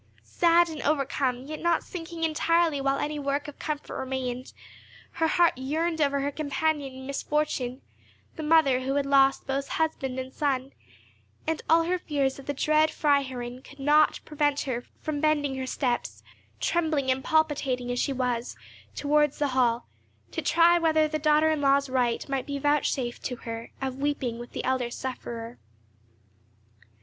Sad and overcome, yet not sinking entirely while any work of comfort remained, her heart yearned over her companion in misfortune, the mother who had lost both husband and son; and all her fears of the dread Freiherrinn could not prevent her from bending her steps, trembling and palpitating as she was, towards the hall, to try whether the daughter in law's right might be vouchsafed to her, of weeping with the elder sufferer.